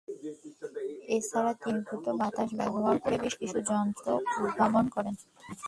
এছাড়া তিনি ঘনীভূত বাতাস ব্যবহার করে বেশ কিছু যন্ত্র উদ্ভাবন করেন।